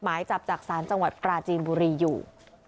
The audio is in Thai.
หมายจับจากศาลจังหวัดปราจีนบุรีอยู่